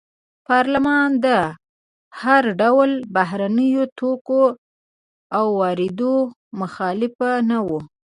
پارلمان د هر ډول بهرنیو توکو واردېدو مخالف نه و.